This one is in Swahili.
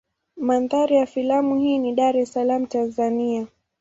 Mandhari ya filamu hii ni Dar es Salaam Tanzania.